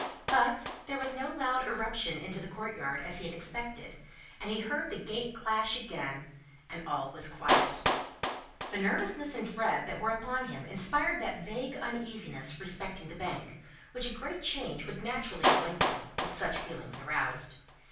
But, there was no loud irruption into the courtyard, as he had expected, and he heard the gate clash again, and all was quiet. The nervousness and dread that were upon him inspired that vague uneasiness respecting the Bank, which a great change would naturally awaken, with such feelings roused.